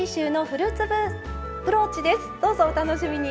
どうぞお楽しみに。